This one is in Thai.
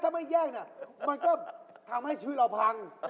ถ้ามันแยกมันก็ทำให้ชื่อเราพัง